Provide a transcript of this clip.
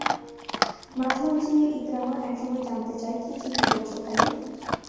মাথা উঁচিয়ে ইকরামা এক সময় জানতে চায় কি চিন্তা করছ খালিদ?